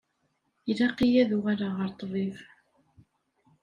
Ilaq-iyi ad uɣaleɣ ɣer ṭṭbib.